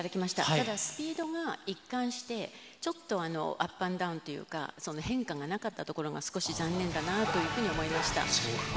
ただスピードが一貫して、ちょっとアップ＆ダウンというか、変化がなかったところが少し残念だなというふうに思いました。